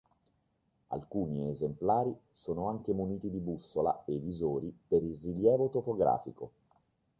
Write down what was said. Alcuni esemplari sono anche muniti di bussola e visori per il rilievo topografico.